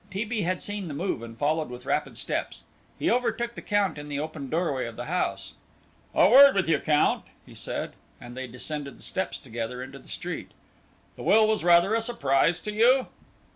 T. B. had seen the move and followed with rapid steps. He overtook the Count in the open doorway of the house. "A word with you, Count," he said, and they descended the steps together into the street. "The will was rather a surprise to you?"